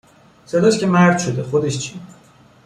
صداش که مرد شده خودش چی